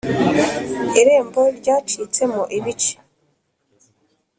irembo ryacitsemo ibice,